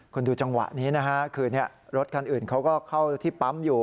คุณดูจังหวะนี้นะฮะคือรถคันอื่นเขาก็เข้าที่ปั๊มอยู่